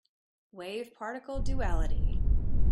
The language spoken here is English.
Wave-particle duality.